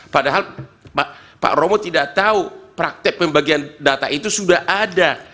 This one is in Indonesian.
padahal pak romo tidak tahu praktek pembagian data itu sudah ada